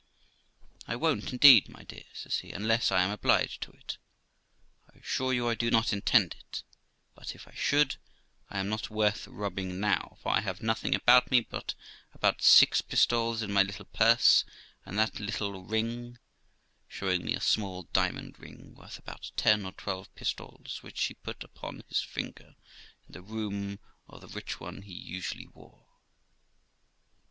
*I won't indeed, my dear', says he, 'unless I am obliged to it. I assure you I do not intend it ; but, if I should, I am not worth robbing now, for I have nothing about me but about six pistoles in my little purse and that little ring', showing me a small diamond ring, worth about ten or twelve pistoles, which he put upon his finger, in the room of the rich one he usually wore.